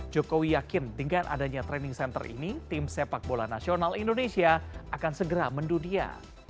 jokowi yakin dengan adanya training center ini tim sepak bola nasional indonesia akan segera mendunia